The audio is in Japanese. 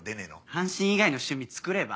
阪神以外の趣味つくれば？